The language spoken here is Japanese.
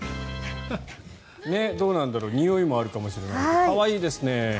どうなんだろうにおいもあるかもしれないけど可愛いですね。